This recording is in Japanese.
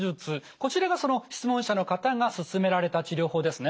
こちらがその質問者の方が勧められた治療法ですね。